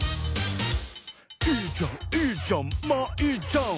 「いいじゃんいいじゃんまあいいじゃん」